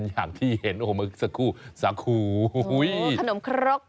อย่างที่เห็นโอ้โหมันขนมครบ